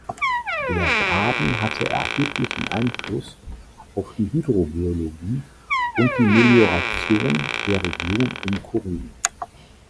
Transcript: Der Graben hatte erheblichen Einfluss auf die Hydrogeologie und Melioration der Region um Chorin.